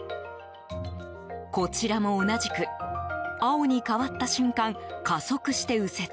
こちらも同じく青に変わった瞬間加速して右折。